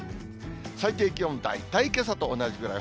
最低気温、大体けさと同じぐらい。